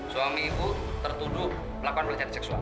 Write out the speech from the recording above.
suami ibu tertuduh melakukan pelecehan seksual